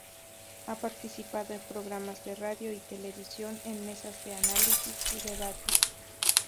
Ha participado en programas de radio y televisión, en mesas de análisis y debate.